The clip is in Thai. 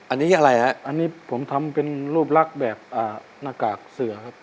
อันนี้อะไรฮะอันนี้ผมทำเป็นรูปลักษณ์แบบหน้ากากเสือครับ